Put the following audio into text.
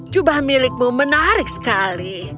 jubah milikmu menarik sekali